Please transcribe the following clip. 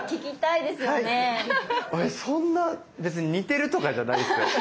俺そんな別に似てるとかじゃないんですよ。